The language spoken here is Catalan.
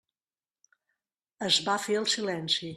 Es va fer el silenci.